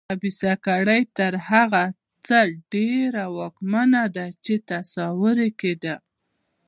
خبیثه کړۍ تر هغه څه ډېره ځواکمنه ده چې تصور یې کېده.